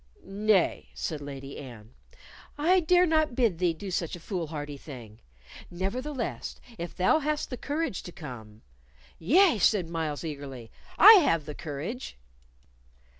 "Nay," said Lady Anne, "I dare not bid thee do such a foolhardy thing. Nevertheless, if thou hast the courage to come " "Yea," said Myles, eagerly, "I have the courage."